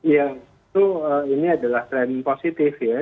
ya itu ini adalah tren positif ya